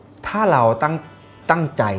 ถ้าเราตั้งใจ